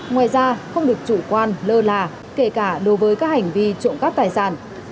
ngoài ra không được chủ quan lơ là kể cả đối với các hành vi trộm cắp tài sản